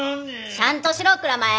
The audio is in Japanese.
しゃんとしろ蔵前！